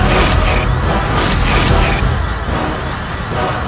nanda prabu munding layang